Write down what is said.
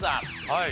はい。